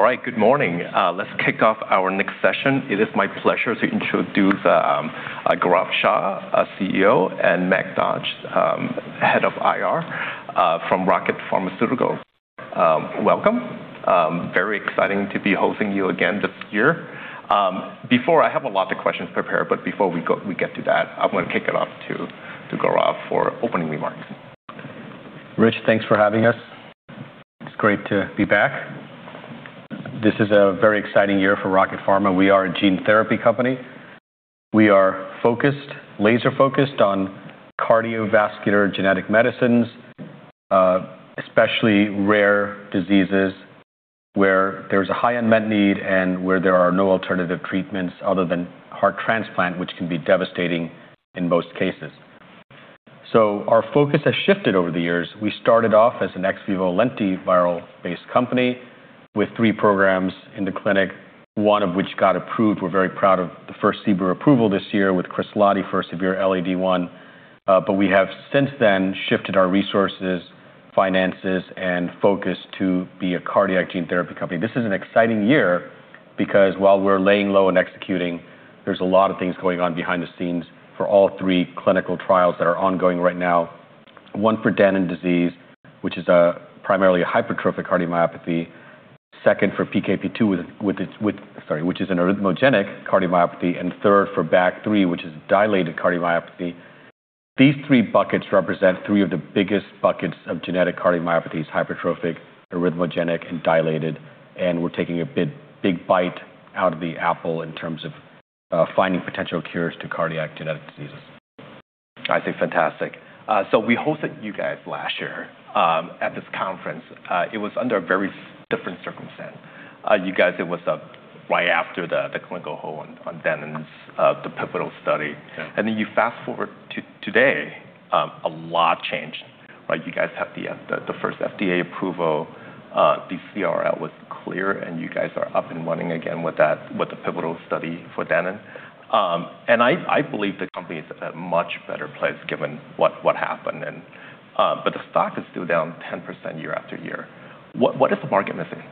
All right. Good morning. Let's kick off our next session. It is my pleasure to introduce Gaurav Shah, CEO, and Meg Dodge, Head of IR from Rocket Pharmaceuticals. Welcome. Very exciting to be hosting you again this year. I have a lot of questions prepared. Before we get to that, I want to kick it off to Gaurav for opening remarks. Rich, thanks for having us. It's great to be back. This is a very exciting year for Rocket Pharma. We are a gene therapy company. We are laser-focused on cardiovascular genetic medicines, especially rare diseases where there's a high unmet need and where there are no alternative treatments other than heart transplant, which can be devastating in most cases. Our focus has shifted over the years. We started off as an ex vivo lentiviral-based company with three programs in the clinic, one of which got approved. We're very proud of the first CBER approval this year with Kresladi for severe LAD-I. We have since then shifted our resources, finances, and focus to be a cardiac gene therapy company. This is an exciting year because, while we're laying low and executing, there's a lot of things going on behind the scenes for all three clinical trials that are ongoing right now. One for Danon disease, which is primarily a hypertrophic cardiomyopathy, second for PKP2, which is an arrhythmogenic cardiomyopathy, and third for BAG3, which is dilated cardiomyopathy. These three buckets represent three of the biggest buckets of genetic cardiomyopathies, hypertrophic, arrhythmogenic, and dilated, and we're taking a big bite out of the apple in terms of finding potential cures to cardiac genetic diseases. I say fantastic. We hosted you guys last year at this conference. It was under very different circumstances. You guys, it was right after the clinical hold on Danon, the pivotal study. Yeah. And then, fast forward to today, a lot changed, right? You guys had the first FDA approval. The CRL was clear, you guys are up and running again with the pivotal study for Danon. I believe the company's at a much better place given what happened. The stock is still down 10% year-after-year. What is the market missing?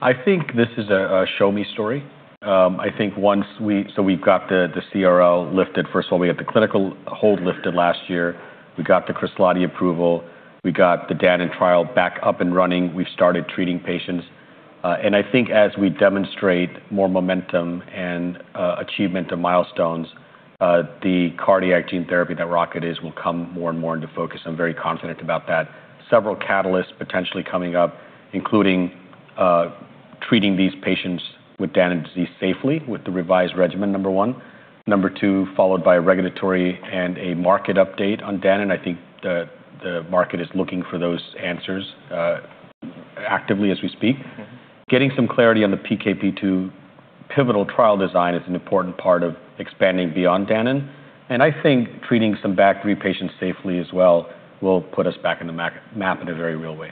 I think this is a show-me story. We've got the CRL lifted first of all. We got the clinical hold lifted last year. We got the Kresladi approval. We got the Danon trial back up and running. We've started treating patients. I think as we demonstrate more momentum and achievement of milestones, the cardiac gene therapy that Rocket is will come more and more into focus. I'm very confident about that. Several catalysts potentially coming up, including treating these patients with Danon disease safely with the revised regimen, number one. Number two, followed by a regulatory and a market update on Danon. I think the market is looking for those answers actively as we speak. Getting some clarity on the PKP2 pivotal trial design is an important part of expanding beyond Danon. I think treating some BAG3 patients safely as well will put us back on the map in a very real way.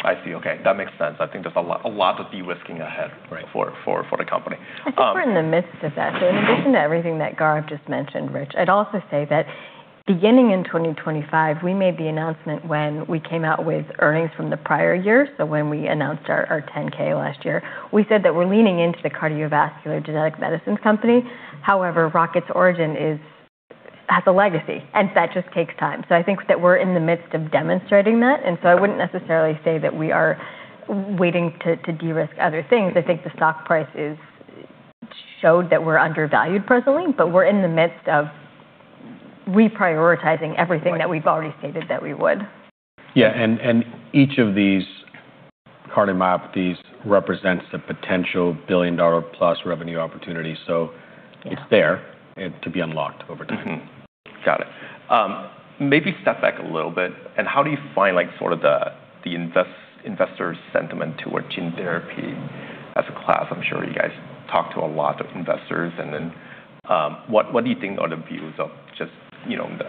I see. Okay. That makes sense. I think there's a lot to de-risking ahead... Right... For the company. I think we're in the midst of that. In addition to everything that Gaurav just mentioned, Rich, I'd also say that beginning in 2025, we made the announcement when we came out with earnings from the prior year. When we announced our 10-K last year, we said that we're leaning into the cardiovascular genetic medicines company. However, Rocket's origin has a legacy, and that just takes time. I think that we're in the midst of demonstrating that, and so I wouldn't necessarily say that we are waiting to de-risk other things. I think the stock price has showed that we're undervalued presently, but we're in the midst of reprioritizing everything that we've already stated that we would. Yeah. Each of these cardiomyopathies represents a potential billion-dollar-plus revenue opportunity. It's there to be unlocked over time. Mm-hmm. Got it. Maybe step back a little bit. How do you find sort of the investor sentiment toward gene therapy as a class? I'm sure you guys talk to a lot of investors. What do you think are the views of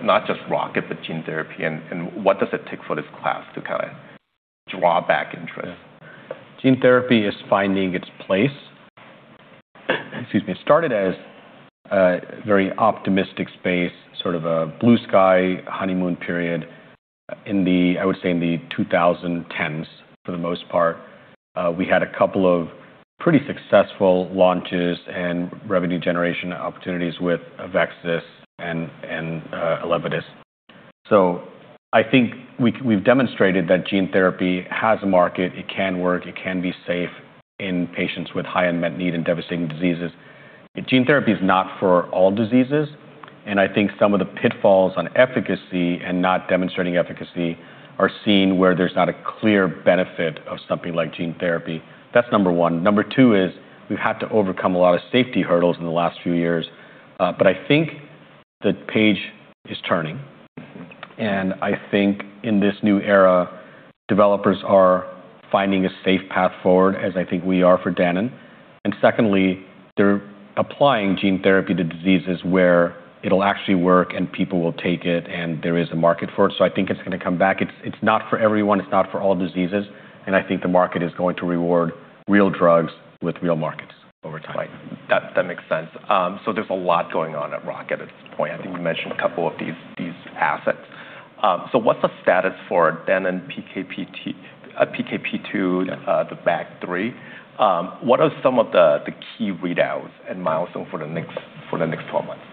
not just Rocket, but gene therapy, and what does it take for this class to kind of draw back interest? Gene therapy is finding its place. Excuse me. It started as a very optimistic space, sort of a blue sky honeymoon period, I would say in the 2010s, for the most part. We had a couple of pretty successful launches and revenue generation opportunities with VEXAS and ELEVIDYS. I think we've demonstrated that gene therapy has a market, it can work, it can be safe in patients with high unmet need and devastating diseases. Gene therapy is not for all diseases, and I think some of the pitfalls on efficacy and not demonstrating efficacy are seen where there's not a clear benefit of something like gene therapy. That's number one. Number two is we've had to overcome a lot of safety hurdles in the last few years. I think the page is turning. I think in this new era, developers are finding a safe path forward, as I think we are for Danon. Secondly, they're applying gene therapy to diseases where it'll actually work and people will take it, and there is a market for it. I think it's going to come back. It's not for everyone. It's not for all diseases. I think the market is going to reward real drugs with real markets over time. Right. That makes sense. There's a lot going on at Rocket at this point. I think we mentioned a couple of these assets. What's the status for Danon and PKP2, the BAG3? What are some of the key readouts and milestones for the next 12 months?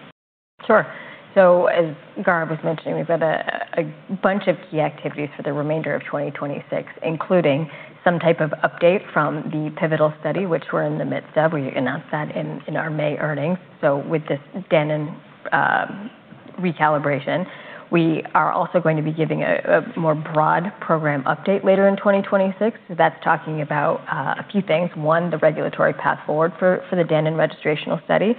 Sure. As Gaurav was mentioning, we've got a bunch of key activities for the remainder of 2026, including some type of update from the pivotal study, which we're in the midst of. We announced that in our May earnings. With this Danon recalibration, we are also going to be giving a more broad program update later in 2026. That's talking about a few things. One, the regulatory path forward for the Danon in registrational study.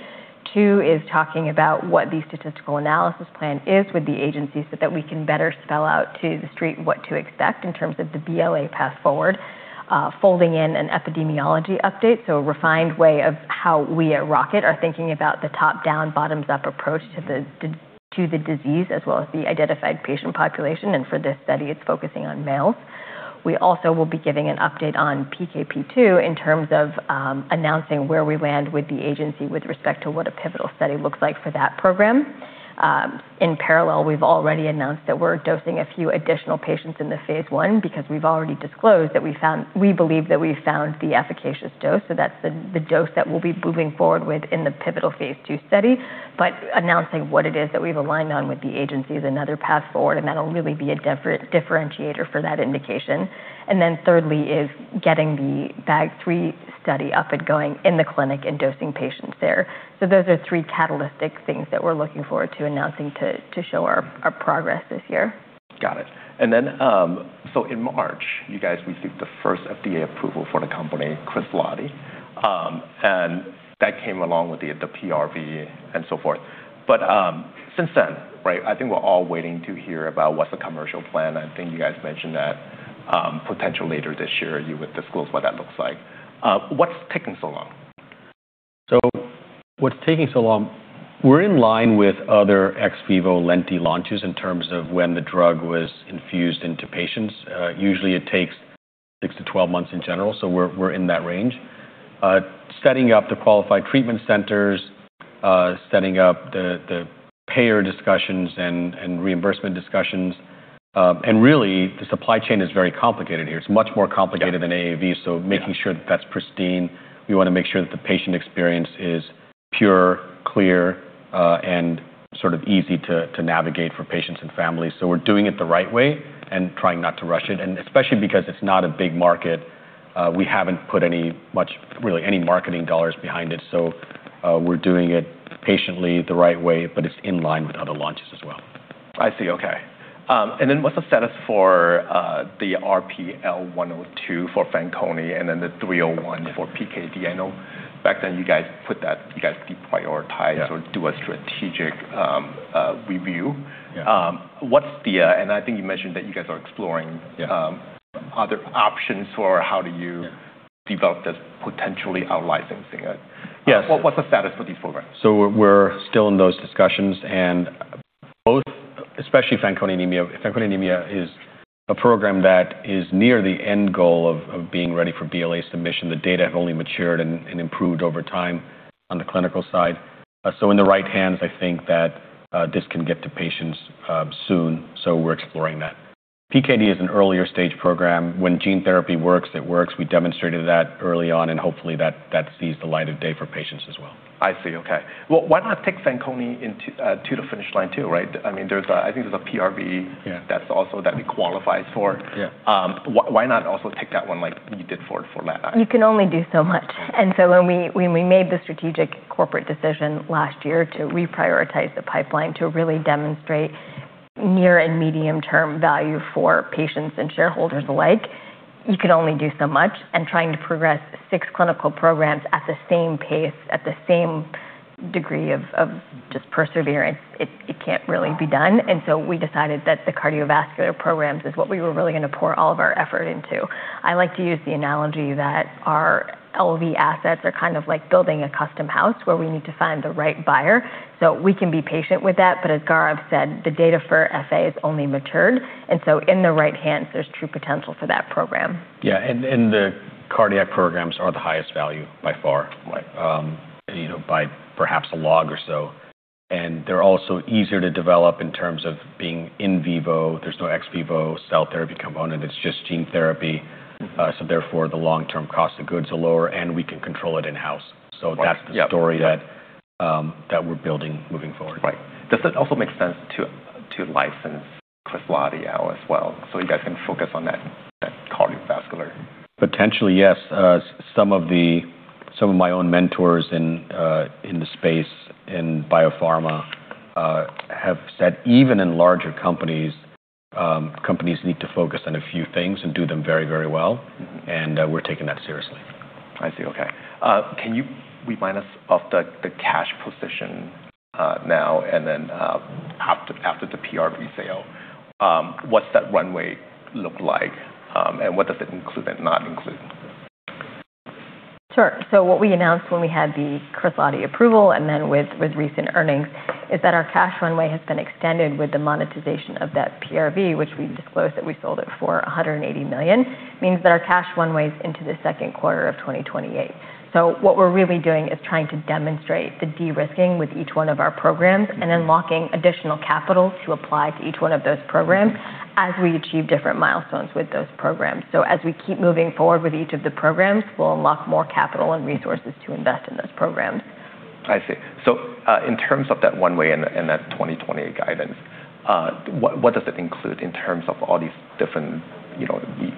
Two is talking about what the statistical analysis plan is with the agency so that we can better spell out to the street what to expect in terms of the BLA path forward, folding in an epidemiology update. A refined way of how we at Rocket are thinking about the top-down, bottoms-up approach to the disease as well as the identified patient population, and for this study, it's focusing on males. We also will be giving an update on PKP2 in terms of announcing where we land with the agency with respect to what a pivotal study looks like for that program. In parallel, we've already announced that we're dosing a few additional patients in the phase 1 because we've already disclosed that we believe that we've found the efficacious dose. That's the dose that we'll be moving forward with in the pivotal phase II study. Announcing what it is that we've aligned on with the agency is another path forward, and that'll really be a differentiator for that indication. Thirdly is getting the BAG3 study up and going in the clinic and dosing patients there. Those are three catalytic things that we're looking forward to announcing to show our progress this year. Got it. In March, you guys received the first FDA approval for the company, Kresladi, and that came along with the PRV and so forth. Since then, I think we're all waiting to hear about what's the commercial plan. I think you guys mentioned that potential later this year, you would disclose what that looks like. What's taking so long? What's taking so long? We're in line with other ex vivo Lenti launches in terms of when the drug was infused into patients. Usually it takes 6-12 months in general, so we're in that range. Setting up the qualified treatment centers, setting up the payer discussions and reimbursement discussions, and really the supply chain is very complicated here. It's much more complicated than AAV, so making sure that that's pristine. We want to make sure that the patient experience is pure, clear, and sort of easy to navigate for patients and families. We're doing it the right way and trying not to rush it, and especially because it's not a big market, we haven't put really any marketing dollars behind it. We're doing it patiently, the right way, but it's in line with other launches as well. I see. Okay. What's the status for the RP-L102 for Fanconi and the RP-L301 for PKD? I know back then you guys deprioritized or do a strategic review. Yeah. I think you mentioned that you guys are going... Yeah... Other options for how do you develop this, potentially out-licensing it? Yes. What's the status for these programs? We're still in those discussions and both, especially Fanconi Anemia. Fanconi Anemia is a program that is near the end goal of being ready for BLA submission. The data have only matured and improved over time on the clinical side. In the right hands, I think that this can get to patients soon. We're exploring that. PKD is an earlier stage program. When gene therapy works, it works. We demonstrated that early on and hopefully that sees the light of day for patients as well. I see. Okay. Why not take Fanconi to the finish line too, right? I think there's a PRV... Yeah... Also it qualifies for... Yeah. Why not also take that one like you did for? You can only do so much. When we made the strategic corporate decision last year to reprioritize the pipeline to really demonstrate near and medium-term value for patients and shareholders alike, you could only do so much, and trying to progress six clinical programs at the same pace, at the same degree of just perseverance, it can't really be done. We decided that the cardiovascular programs is what we were really going to pour all of our effort into. I like to use the analogy that our LV assets are kind of like building a custom house where we need to find the right buyer. We can be patient with that, but as Gaurav said, the data for FA has only matured, and so in the right hands, there's true potential for that program. Yeah. The cardiac programs are the highest value by far. Right. By perhaps a log or so. They're also easier to develop in terms of being in vivo. There's no ex vivo cell therapy component. It's just gene therapy. Therefore, the long-term cost of goods are lower, and we can control it in-house. That's the story that we're building moving forward. Right. Does it also make sense to license Kresladi now as well so you guys can focus on that cardiovascular? Potentially, yes. Some of my own mentors in the space in biopharma have said even in larger companies need to focus on a few things and do them very well, and we're taking that seriously. I see. Okay. Can you remind us of the cash position now and then after the PRV sale? What's that runway look like and what does it include and not include? Sure. What we announced when we had the Kresladi approval and then with recent earnings is that our cash runway has been extended with the monetization of that PRV, which we disclosed that we sold it for $180 million, means that our cash runways into the second quarter of 2028. What we're really doing is trying to demonstrate the de-risking with each one of our programs and unlocking additional capital to apply to each one of those programs as we achieve different milestones with those programs. As we keep moving forward with each of the programs, we'll unlock more capital and resources to invest in those programs. I see. In terms of that runway and that 2028 guidance, what does it include in terms of all these different?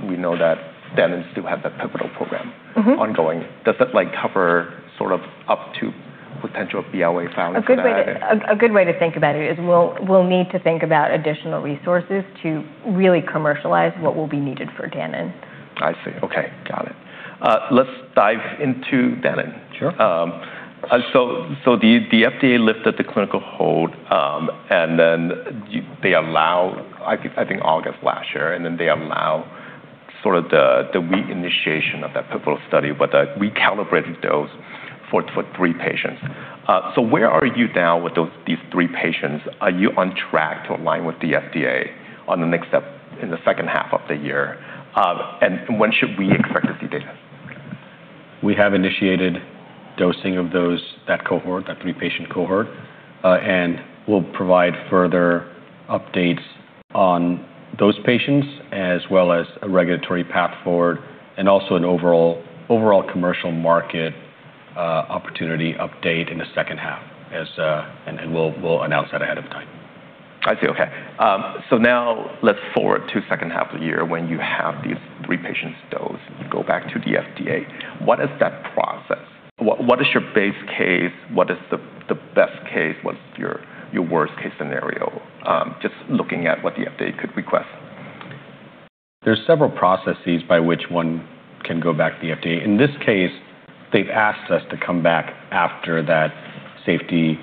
We know that you still have that pivotal program ongoing. Does that cover sort of up to potential BLA filing for that? A good way to think about it is we'll need to think about additional resources to really commercialize what will be needed for Danon. I see. Okay. Got it. Let's dive into Danon. Sure. The FDA lifted the clinical hold, they allow, I think, August last year, they allow sort of the re-initiation of that pivotal study, but a recalibrated dose for three patients. Where are you now with these three patients? Are you on track to align with the FDA on the next step in the second half of the year? When should we expect to see data? We have initiated dosing of that cohort, that three-patient cohort. We'll provide further updates on those patients as well as a regulatory path forward and also an overall commercial market opportunity update in the second half. We'll announce that ahead of time. I see. Okay. Now let's forward to the second half of the year when you have these three patients dosed. You go back to the FDA. What is that process? What is your base case? What is the best case? What's your worst-case scenario? Just looking at what the FDA could request. There's several processes by which one can go back to the FDA. In this case, they've asked us to come back after that safety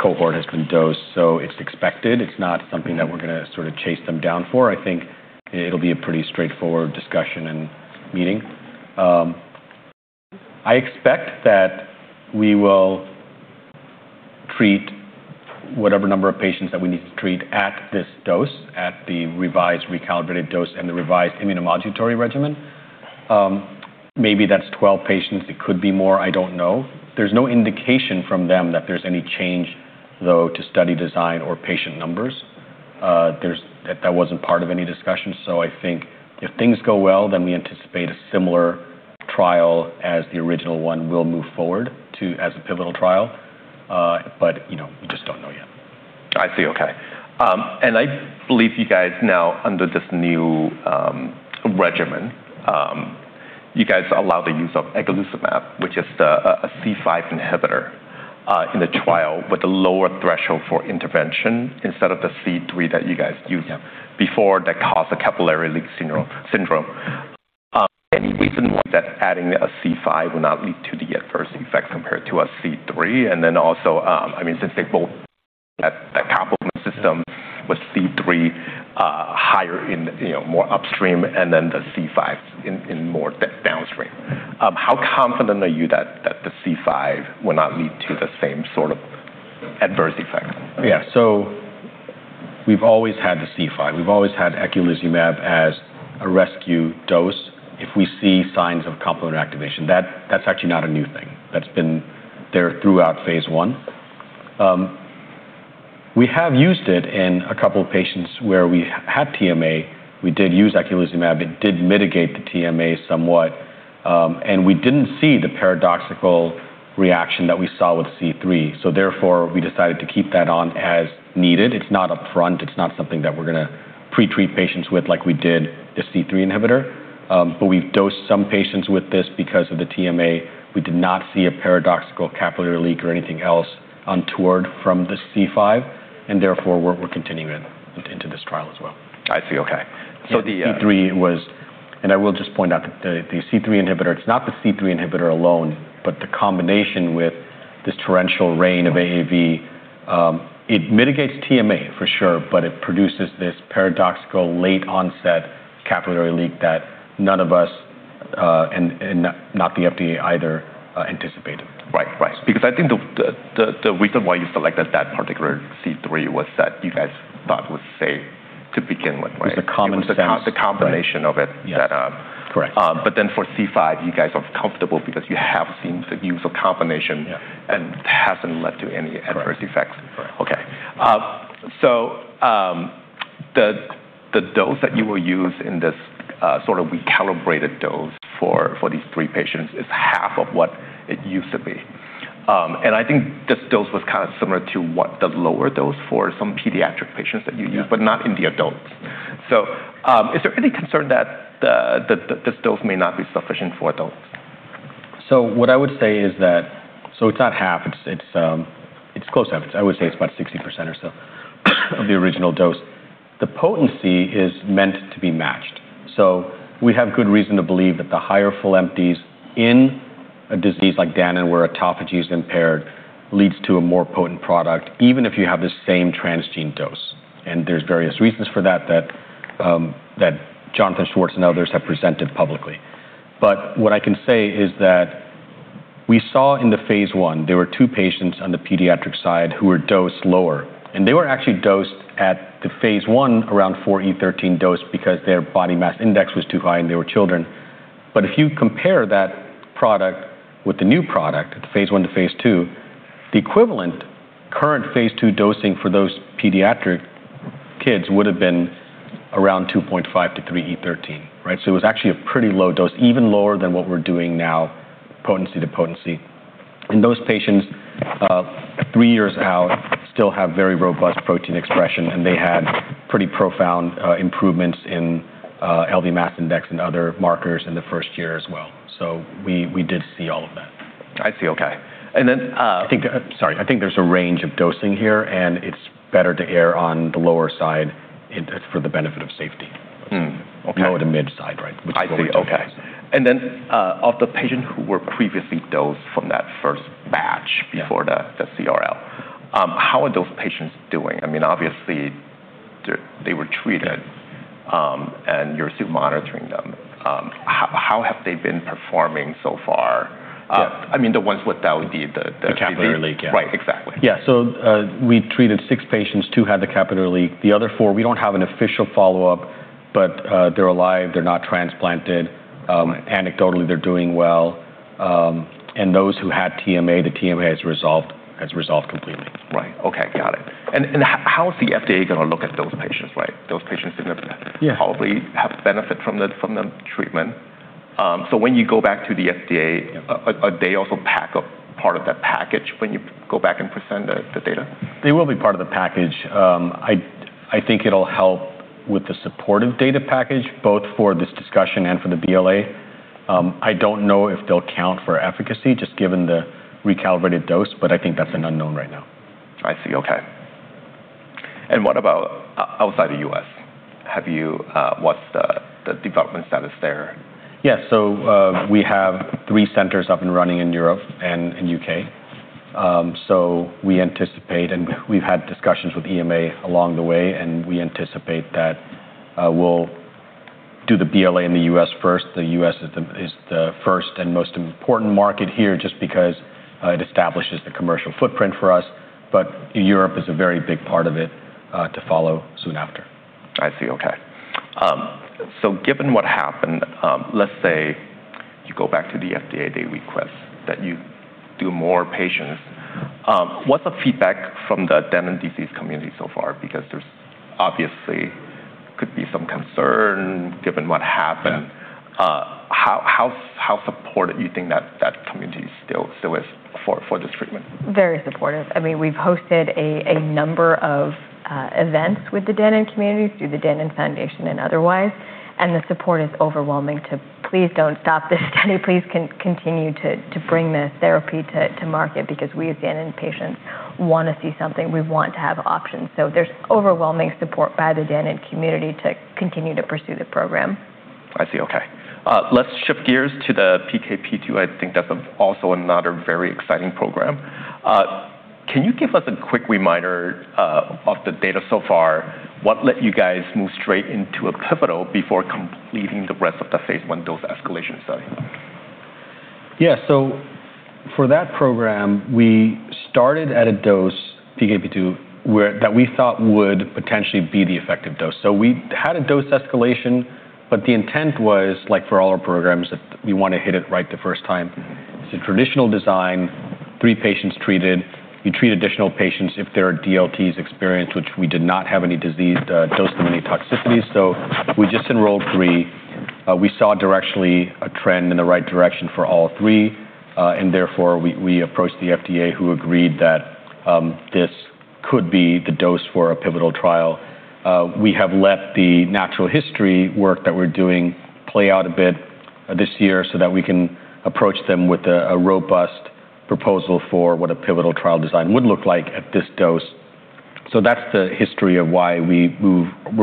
cohort has been dosed. It's expected. It's not something that we're going to sort of chase them down for. I think it'll be a pretty straightforward discussion and meeting. I expect that we will treat whatever number of patients that we need to treat at this dose at the revised, recalibrated dose and the revised immunomodulatory regimen. Maybe that's 12 patients. It could be more, I don't know. There's no indication from them that there's any change, though, to study design or patient numbers. That wasn't part of any discussion, I think if things go well, then we anticipate a similar trial as the original one will move forward as a pivotal trial. We just don't know yet. I see. Okay. I believe you guys now under this new regimen, you guys allow the use of eculizumab, which is a C5 inhibitor, in the trial with a lower threshold for intervention instead of the C3 that you guys used. Yeah Before that caused the capillary leak syndrome. Any reason why that adding a C5 will not lead to the adverse effects compared to a C3? Also, since they both at the complement system with C3 higher in more upstream and then the C5 in more downstream. How confident are you that the C5 will not lead to the same sort of adverse effects? Yeah. We've always had the C5. We've always had eculizumab as a rescue dose if we see signs of complement activation. That's actually not a new thing. That's been there throughout phase I. We have used it in a couple of patients where we had TMA. We did use eculizumab. It did mitigate the TMA somewhat. We didn't see the paradoxical reaction that we saw with C3. We decided to keep that on as needed. It's not upfront. It's not something that we're going to pre-treat patients with like we did the C3 inhibitor. We've dosed some patients with this because of the TMA. We did not see a paradoxical capillary leak or anything else untoward from the C5. We're continuing it into this trial as well. I see. Okay. I will just point out that the C3 inhibitor, it's not the C3 inhibitor alone, but the combination with this torrential rain of AAV, it mitigates TMA for sure, but it produces this paradoxical late onset capillary leak that none of us and not the FDA either anticipated. Right. I think the reason why you selected that particular C3 was that you guys thought it was safe to begin with, right? It was the common sense. It was the combination of it. Yes. Correct. For C5, you guys are comfortable because you have seen the use of combination. Yeah It hasn't led to any adverse effects. Correct. Okay. The dose that you will use in this sort of recalibrated dose for these three patients is half of what it used to be. I think this dose was kind of similar to what the lower dose for some pediatric patients that you use. Yeah Not in the adults. Is there any concern that this dose may not be sufficient for adults? What I would say is that, it's not half, it's close to half. I would say it's about 60% or so of the original dose. The potency is meant to be matched. We have good reason to believe that the higher full MOI in a disease like Danon where autophagy is impaired leads to a more potent product, even if you have the same transgene dose. There's various reasons for that Jonathan Schwartz and others have presented publicly. What I can say is that we saw in the phase I, there were two patients on the pediatric side who were dosed lower, and they were actually dosed at the phase I around 4E13 dose because their body mass index was too high, and they were children. If you compare that product with the new product, the phase I to phase II, the equivalent current phase II dosing for those pediatric kids would've been around 2.5 to 3E13, right? It was actually a pretty low dose, even lower than what we're doing now, potency to potency. Those patients, three years out, still have very robust protein expression, and they had pretty profound improvements in LV mass index and other markers in the first year as well. We did see all of that. I see. Okay. Sorry. I think there's a range of dosing here, and it's better to err on the lower side for the benefit of safety. Okay. Lower to mid side, right, which is what we chose. I see. Okay. Then, of the patients who were previously dosed from that first batch... Yeah... Before the CRL, how are those patients doing? Obviously, they were treated. Yeah. You're still monitoring them. How have they been performing so far? Yeah. The ones with the... The capillary leak, yeah. Right, exactly. Yeah. We treated six patients. Two had the capillary leak. The other four, we don't have an official follow-up, but they're alive, they're not transplanted. Right. Anecdotally, they're doing well. Those who had TMA, the TMA has resolved completely. Right. Okay. Got it. How is the FDA going to look at those patients, right? Those patients... Yeah... Probably have benefit from the treatment. When you go back to the FDA... Yeah... Are they also part of that package when you go back and present the data? They will be part of the package. I think it'll help with the supportive data package both for this discussion and for the BLA. I don't know if they'll count for efficacy, just given the recalibrated dose, but I think that's an unknown right now. I see. Okay. What about outside the U.S.? What's the development status there? Yeah. We have three centers up and running in Europe and U.K. We anticipate, and we've had discussions with EMA along the way, and we anticipate that we'll do the BLA in the U.S. first. The U.S. is the first and most important market here just because it establishes the commercial footprint for us, but Europe is a very big part of it, to follow soon after. I see. Okay. Given what happened, let's say you go back to the FDA, they request that you do more patients. What's the feedback from the Danon disease community so far? Because there obviously could be some concern given what happened. Yeah. How supportive do you think that that community still is for this treatment? Very supportive. We've hosted a number of events with the Danon communities through the Danon Foundation and otherwise, the support is overwhelming to, "Please don't stop this study. Please continue to bring this therapy to market because we as Danon patients want to see something. We want to have options." There's overwhelming support by the Danon community to continue to pursue the program. I see. Okay. Let's shift gears to the PKP2. I think that's also another very exciting program. Can you give us a quick reminder of the data so far? What let you guys move straight into a pivotal before completing the rest of the phase I dose escalation study? Yeah. For that program, we started at a dose, PKP2, that we thought would potentially be the effective dose. We had a dose escalation, but the intent was, like for all our programs, that we want to hit it right the first time. It's a traditional design, three patients treated. You treat additional patients if there are DLTs experienced, which we did not have any dose-limiting toxicities, we just enrolled three. We saw directionally a trend in the right direction for all three. Therefore, we approached the FDA, who agreed that this could be the dose for a pivotal trial. We have let the natural history work that we're doing play out a bit this year so that we can approach them with a robust proposal for what a pivotal trial design would look like at this dose. That's the history of why we're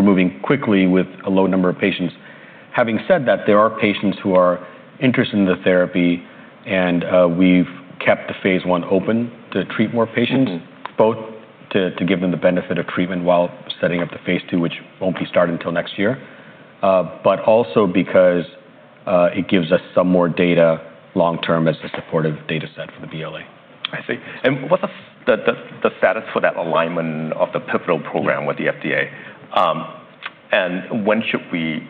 moving quickly with a low number of patients. Having said that, there are patients who are interested in the therapy and we've kept the phase I open to treat more patients, both to give them the benefit of treatment while setting up the phase II, which won't be starting till next year. Also because it gives us some more data long term as a supportive data set for the BLA. I see. What's the status for that alignment of the pivotal program with the FDA? When should we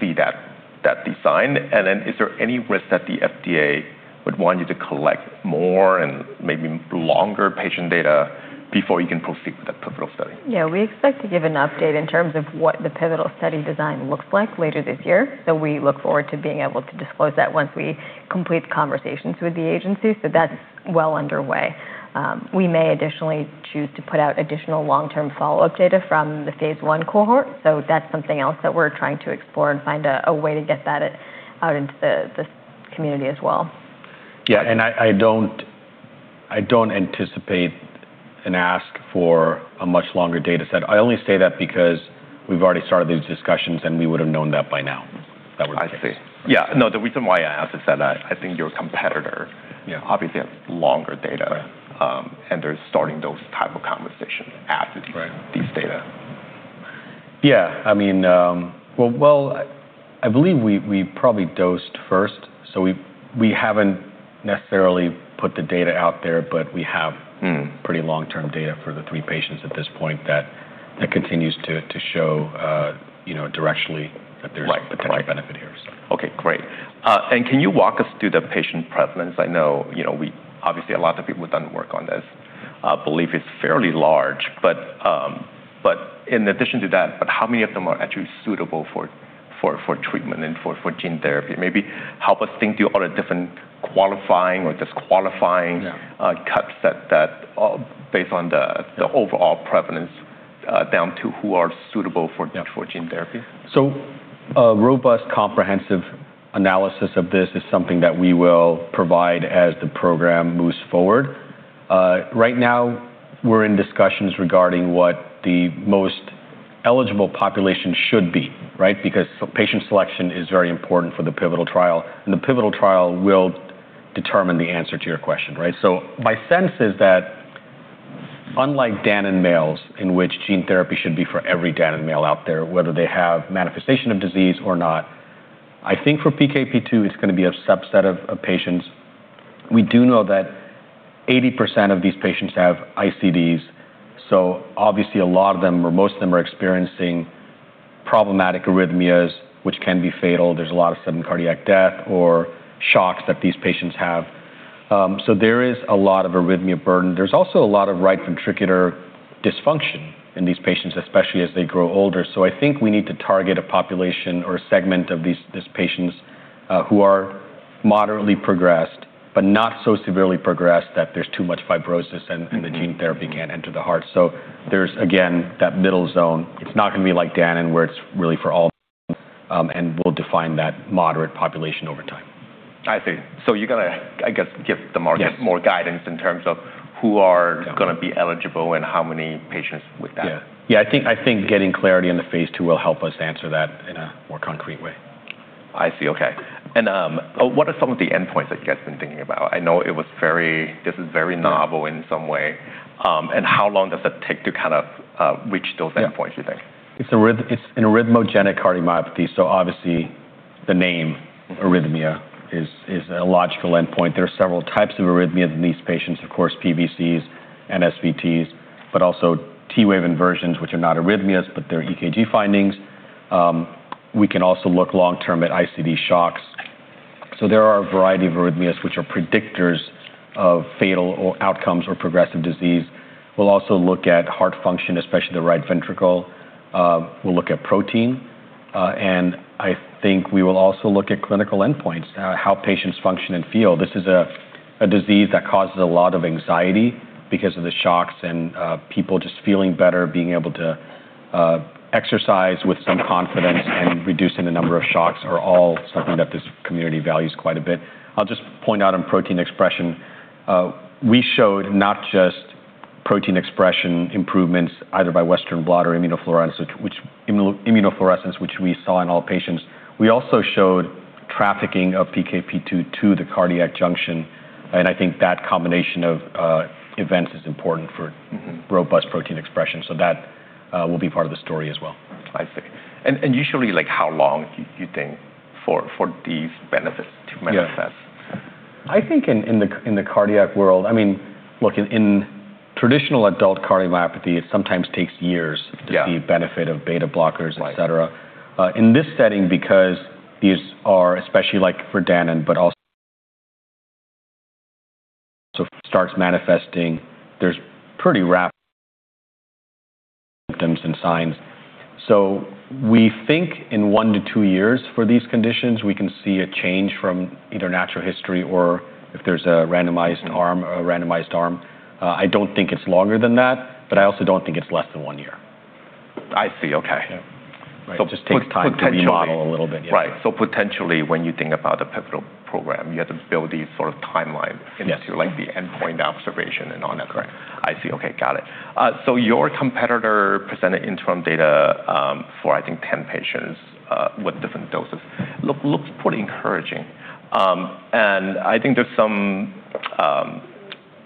see that design? Is there any risk that the FDA would want you to collect more and maybe longer patient data before you can proceed with that pivotal study? Yeah, we expect to give an update in terms of what the pivotal study design looks like later this year. We look forward to being able to disclose that once we complete the conversations with the agency. That's well underway. We may additionally choose to put out additional long-term follow-up data from the phase I cohort, so that's something else that we're trying to explore and find a way to get that out into the community as well. Yeah, I don't anticipate an ask for a much longer data set. I only say that because we've already started these discussions, and we would've known that by now. I see. Yeah. No, the reason why I asked is that I think your competitor... Yeah... Obviously has longer data. Right. They're starting those type of conversations after... That's right.... These data. Yeah. Well, I believe we probably dosed first, so we haven't necessarily put the data out there, but we have pretty long-term data for the three patients at this point that continues to show directionally that there's... Right... Potential benefit here. Okay, great. Can you walk us through the patient prevalence? I know, obviously, a lot of people have done work on this. I believe it's fairly large, in addition to that, how many of them are actually suitable for treatment and for gene therapy? Maybe help us think through all the different qualifying or disqualifying... Yeah... Cuts that based on the overall prevalence down to who are suitable for... Yeah... Gene therapy. A robust comprehensive analysis of this is something that we will provide as the program moves forward. Now, we're in discussions regarding what the most eligible population should be, right? Patient selection is very important for the pivotal trial, and the pivotal trial will determine the answer to your question, right? My sense is that unlike Duchenne males, in which gene therapy should be for every Duchenne male out there, whether they have manifestation of disease or not, I think for PKP2, it's going to be a subset of patients. We do know that 80% of these patients have ICDs, so obviously a lot of them, or most of them, are experiencing problematic arrhythmias, which can be fatal. There's a lot of sudden cardiac death or shocks that these patients have. There is a lot of arrhythmia burden. There's also a lot of right ventricular dysfunction in these patients, especially as they grow older. I think we need to target a population or a segment of these patients, who are moderately progressed but not so severely progressed that there's too much fibrosis and the gene therapy can't enter the heart. There's, again, that middle zone. It's not going to be like Duchenne, where it's really for all, and we'll define that moderate population over time. I see. You're going to, I guess, give the market. Yes More guidance in terms of who are... Yeah... Going to be eligible and how many patients with that? Yeah. I think getting clarity in the phase II will help us answer that in a more concrete way. I see. Okay. What are some of the endpoints that you guys have been thinking about? I know this is very novel in some way. How long does it take to kind of reach those endpoints, you think? It's an arrhythmogenic cardiomyopathy, obviously the name arrhythmia is a logical endpoint. There are several types of arrhythmias in these patients, of course, PVCs and SVTs, but also T wave inversions, which are not arrhythmias, but they're EKG findings. We can also look long-term at ICD shocks. There are a variety of arrhythmias which are predictors of fatal outcomes or progressive disease. We'll also look at heart function, especially the right ventricle. We'll look at protein. I think we will also look at clinical endpoints, how patients function and feel. This is a disease that causes a lot of anxiety because of the shocks, and people just feeling better, being able to exercise with some confidence, and reducing the number of shocks are all something that this community values quite a bit. I'll just point out on protein expression, we showed not just protein expression improvements either by western blot or immunofluorescence, which we saw in all patients. We also showed trafficking of PKP2 to the cardiac junction, and I think that combination of events is important for robust protein expression. That will be part of the story as well. I see. Usually, how long do you think for these benefits to manifest? Yeah. I think in the cardiac world, look, in traditional adult cardiomyopathy, it sometimes takes years... Yeah... To see benefit of beta blockers, et cetera. Right. In this setting, because these are, especially like for Duchenne, but also so it starts manifesting, there's pretty rapid symptoms and signs. We think in one to two years for these conditions, we can see a change from either natural history or if there's a randomized arm. I don't think it's longer than that, but I also don't think it's less than one year. I see. Okay. Yeah. It just takes time to... Potentially...... A little bit, yeah. Right. Potentially, when you think about a pivotal program, you have to build these sort of timeline... Yes... Into like the endpoint observation and on. Correct. I see. Okay. Got it. Your competitor presented interim data, for I think 10 patients with different doses. Looks pretty encouraging. I think there's some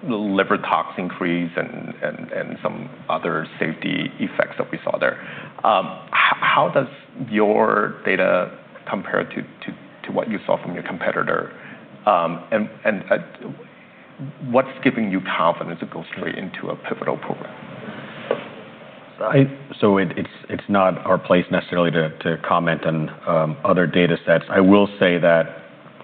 liver tox increase and some other safety effects that we saw there. How does your data compare to what you saw from your competitor? What's giving you confidence to go straight into a pivotal program? It's not our place necessarily to comment on other data sets. I will say that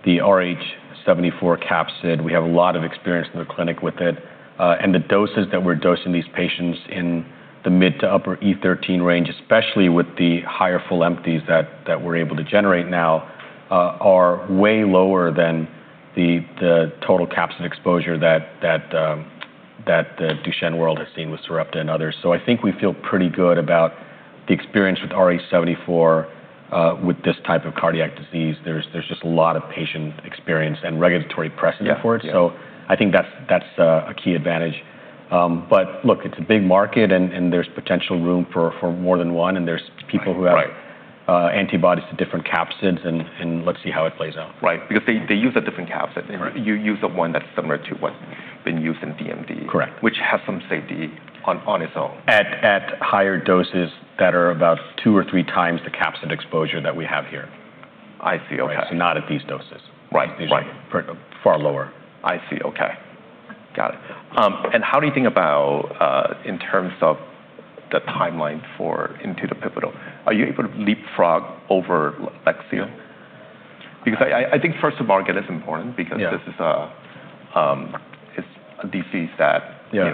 the AAVrh74 capsid, we have a lot of experience in the clinic with it, and the doses that we're dosing these patients in the mid to upper E13 range, especially with the higher full-to-empty ratio that we're able to generate now, are way lower than the total capsid exposure that the Duchenne world has seen with Sarepta and others. I think we feel pretty good about the experience with AAVrh74, with this type of cardiac disease. There's just a lot of patient experience and regulatory precedent for it. Yeah. I think that's a key advantage. Look, it's a big market, and there's potential room for more than one, and there's people who have... Right... Antibodies to different capsids, Let's see how it plays out. Right. Because they use a different capsid. Right. You use the one that's similar to what's been used in DMD. Correct. Which has some safety on its own. At higher doses that are about two or three times the capsid exposure that we have here. I see. Okay. Not at these doses. Right. These doses are far lower. I see. Okay. Got it. What do you think about in terms of the timeline into the pivotal? Are you able to leapfrog over LEXEO? I think first to market is important... Yeah... Because this is a disease that... Yeah...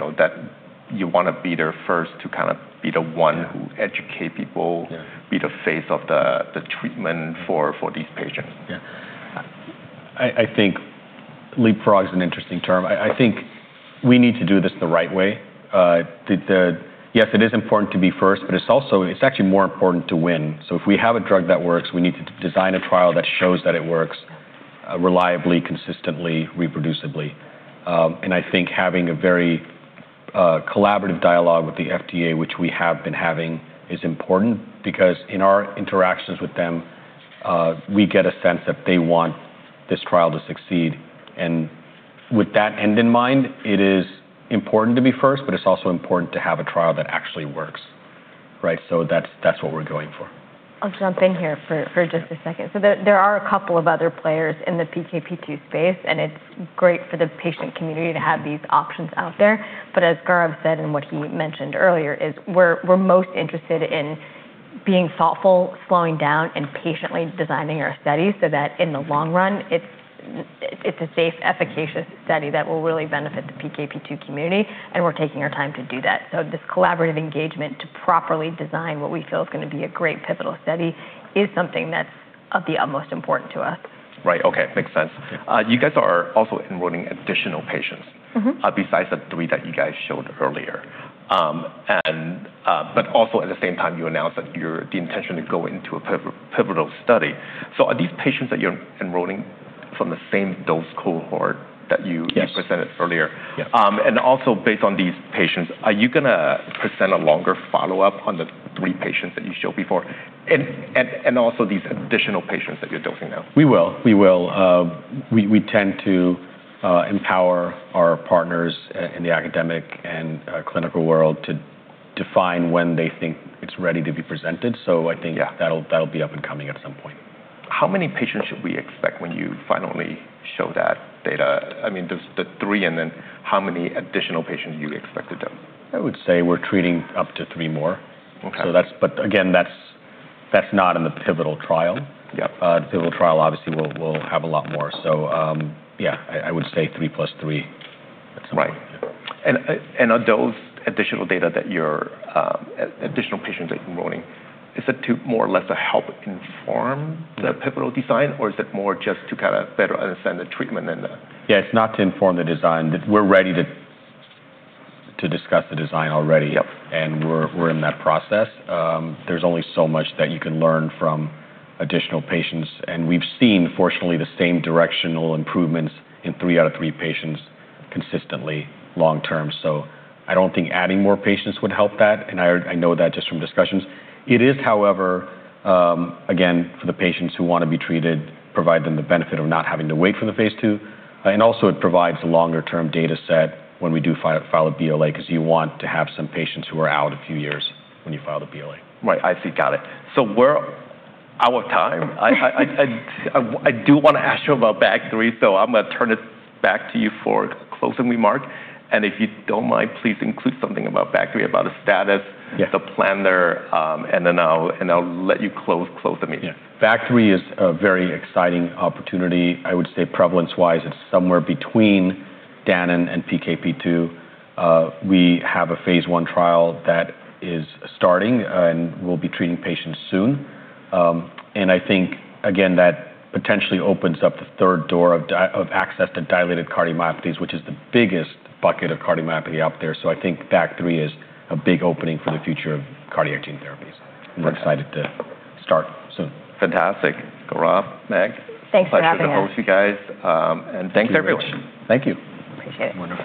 You want to be there first to kind of be the one who educates people... Yeah... Be the face of the treatment for these patients. Yeah. I think leapfrog is an interesting term. I think we need to do this the right way. Yes, it is important to be first, but it's actually more important to win. If we have a drug that works, we need to design a trial that shows that it works reliably, consistently, reproducibly. I think having a very collaborative dialogue with the FDA, which we have been having, is important because, in our interactions with them, we get a sense that they want this trial to succeed. With that end in mind, it is important to be first, but it's also important to have a trial that actually works. Right. That's what we're going for. I'll jump in here for just a second. There are a couple of other players in the PKP2 space, and it's great for the patient community to have these options out there. As Gaurav said, and what he mentioned earlier, is we're most interested in being thoughtful, slowing down, and patiently designing our study so that in the long run, it's a safe, efficacious study that will really benefit the PKP2 community, and we're taking our time to do that. This collaborative engagement to properly design what we feel is going to be a great pivotal study is something that's of the utmost importance to us. Right. Okay. Makes sense. You guys are also enrolling additional patients besides the three that you guys showed earlier. Also, at the same time, you announced the intention to go into a pivotal study. Are these patients that you're enrolling from the same dose cohort that... Yes... Presented earlier? Yeah. Also based on these patients, are you going to present a longer follow-up on the three patients that you showed before, and also these additional patients that you're dosing now? We will. We tend to empower our partners in the academic and clinical world to define when they think it's ready to be presented. Yeah That'll be up and coming at some point. How many patients should we expect when you finally show that data? There's the three, then how many additional patients you expected then? I would say we're treating up to three more. Okay. Again, that's not in the pivotal trial. Yeah. The pivotal trial obviously will have a lot more. Yeah, I would say three plus three at some point. Right. Are those additional patients that you're enrolling, is it to more or less help inform the pivotal design, or is it more just to kind of better understand the treatment? Yeah, it's not to inform the design. We're ready to discuss the design already. Yep. We're in that process. There's only so much that you can learn from additional patients, and we've seen, fortunately, the same directional improvements in three out of three patients consistently long-term. I don't think adding more patients would help that, and I know that just from discussions. It is, however, again, for the patients who want to be treated, provide them the benefit of not having to wait for the phase II, and also it provides a longer-term data set when we do file a BLA because you want to have some patients who are out a few years when you file the BLA. Right. I see. Got it. We're out of time. I do want to ask you about BAG3, I'm going to turn it back to you for closing remarks. If you don't mind, please include something about BAG3, about the status. Yeah The plan there, I'll let you close the meeting. Yeah. BAG3 is a very exciting opportunity. I would say prevalence-wise, it's somewhere between Danon and PKP2. We have a phase I trial that is starting, and we'll be treating patients soon. I think, again, that potentially opens up the third door of access to dilated cardiomyopathies, which is the biggest bucket of cardiomyopathy out there. I think BAG3 is a big opening for the future of cardiac gene therapies. Fantastic. We're excited to start soon. Fantastic. Gaurav, Meg. Thanks for having us. Pleasure to host you guys. Thanks, everyone. Thank you. Appreciate it. Wonderful